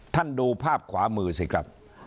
ดูภาพขวามือสิครับ